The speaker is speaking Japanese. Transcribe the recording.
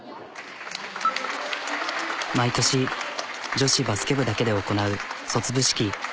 毎年女子バスケ部だけで行なう卒部式。